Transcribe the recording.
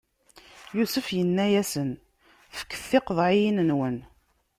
Yusef inna-yasen: Fket tiqeḍɛiyin-nwen!